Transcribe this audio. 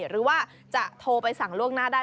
หรือว่าจะโทรไปสั่งล่วงหน้าได้